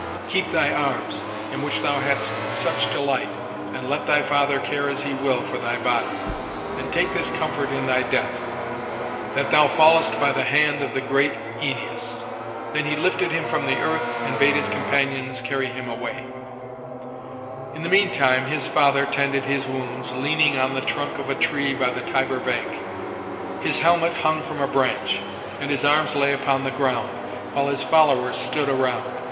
Keep thy arms, in which thou hadst such delight, and let thy father care as he will for thy body; and take this comfort in thy death, that thou fallest by the hand of the great Æneas." Then he lifted him from the earth, and bade his companions carry him away. [Illustration: ÆNEAS AND THE BODY OF LAUSUS.] In the mean time his father tended his wounds, leaning on the trunk of a tree by the Tiber bank. His helmet hung from a branch, and his arms lay upon the ground, while his followers stood around.